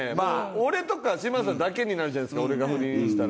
俺とか嶋佐だけになるじゃないですか俺が不倫したら。